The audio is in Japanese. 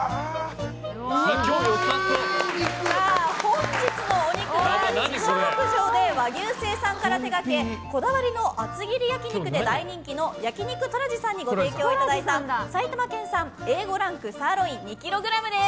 本日のお肉は自社牧場で和牛生産から手掛けこだわりの厚切り焼き肉で大人気の焼肉トラジさんにご提供いただいた埼玉県産Ａ５ランクサーロイン２ｋｇです！